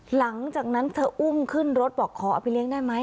หลังจากนั้นเธออุ้มขึ้นรถบอกขอเอาไปเลี้ยงได้ไหม